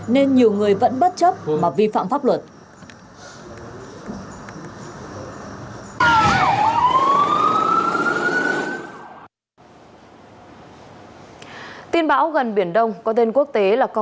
nên nhiều người vẫn bất chấp mà vi phạm pháp luật